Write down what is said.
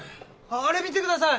あれ見てください！